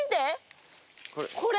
これ。